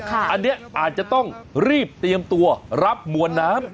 อันนี้อาจจะต้องรีบเตรียมตัวรับมวลน้ำ